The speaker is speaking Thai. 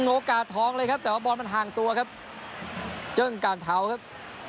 โอกาสทองเลยครับแต่ว่าบอลมันห่างตัวครับเจอิ้งกางเทาครับ